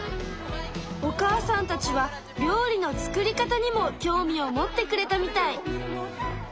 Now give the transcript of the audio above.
お母さんたちは料理の作り方にも興味を持ってくれたみたい。